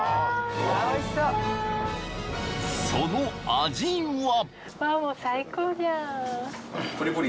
［その味は？］